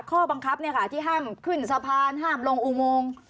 ข้อบังคับเนี่ยค่ะที่ห้ามขึ้นสะพานห้ามลงอูงงง